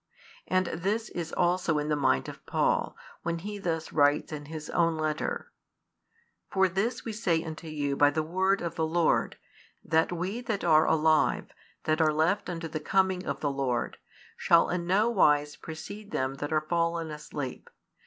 And this is also in the mind of Paul, when he thus writes in his own letter: For this we say unto you by the word of the Lord, that we that are alive, that are left unto the coming of the Lord, shall in no wise precede them that are fallen asleep.